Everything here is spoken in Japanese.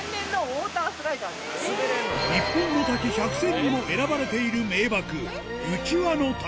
日本の滝１００選にも選ばれている名瀑雪輪の滝